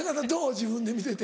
自分で見てて。